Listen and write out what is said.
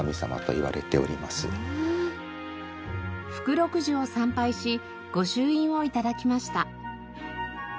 福禄寿を参拝し御朱印を頂きました。